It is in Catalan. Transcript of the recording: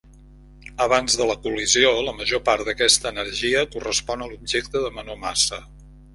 Abans de la col·lisió, la major part d'aquesta energia correspon a l'objecte de menor massa.